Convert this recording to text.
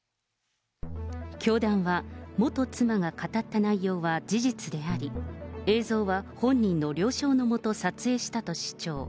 教団は元妻が語った内容は事実であり、映像は本人の了承のもと撮影したと主張。